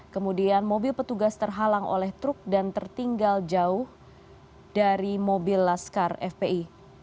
kemudian mobil petugas terhalang oleh truk dan tertinggal jauh dari mobil laskar fpi